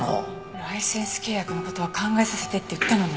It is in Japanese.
ライセンス契約の事は考えさせてって言ったのに。